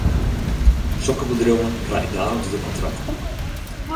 Sokke bedriuwen krije daliks de kontrakten.